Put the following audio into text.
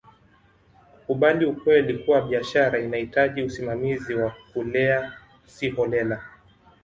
kukubali ukweli kuwa biashara inahitaji usimamizi wa kulea si holela